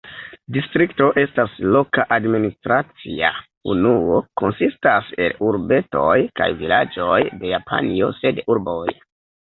Distrikto estas loka administracia unuo konsistas el urbetoj kaj vilaĝoj de Japanio sed urboj.